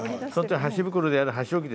箸袋で折る。